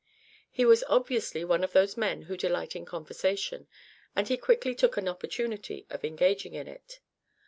He was obviously one of those men who delight in conversation, and he quickly took an opportunity of engaging in it.